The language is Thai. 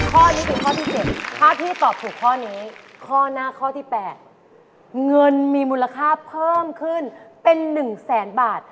ข้อนี้คือข้อที่๗ถ้าพี่ตอบถูกข้อนี้ข้อหน้าข้อที่๘เงินมีมูลค่าเพิ่มขึ้นเป็น๑แสนบาท